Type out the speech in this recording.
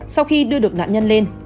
sau khi đưa được nạn nhân lên